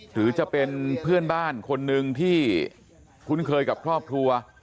หรือจะเป็นเพื่อนบ้านคนหนึ่งที่คุ้นเคยกับครอบครัว